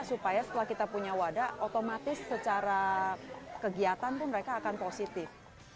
supaya setelah kita punya wadah otomatis secara kegiatan itu mereka akan positif